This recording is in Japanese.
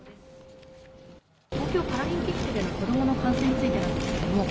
東京パラリンピックでの子どもの観戦についてなんですけれども。